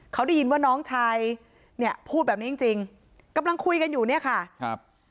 เขาได้ยินว่าน้องชายเนี่ยพูดแบบนี้จริงจริงกำลังคุยกันอยู่เนี่ยค่ะครับ